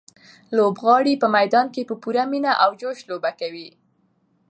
لوبغاړي په میدان کې په پوره مینه او جوش لوبه کوي.